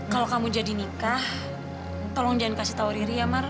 kalau kamu jadi nikah tolong jangan kasih tau diri ya mar